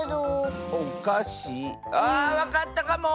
あわかったかも！